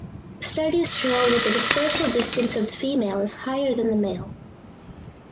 Studies show that the dispersal distance of the female is higher than the male.